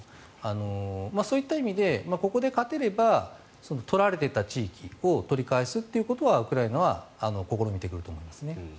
そういった意味でここで勝てれば取られていた地域を取り返すということはウクライナは試みてくると思いますね。